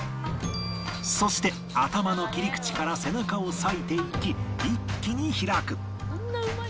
そして頭の切り口から背中を割いていき一気に開く